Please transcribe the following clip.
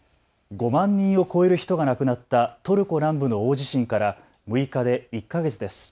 ５万人を超える人が亡くなったトルコ南部の大地震から６日で１か月です。